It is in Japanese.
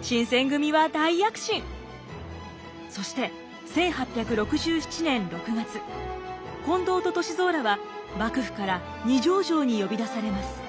そして１８６７年６月近藤と歳三らは幕府から二条城に呼び出されます。